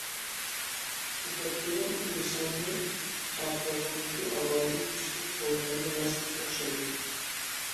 تەپەككۇرنىڭ ئىنساننى چاقىرغاندىكى ئاۋازى كۈچلۈك بولىدىغىنى راست ئوخشايدۇ.